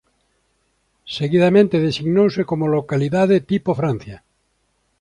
Seguidamente designouse como localidade tipo Francia.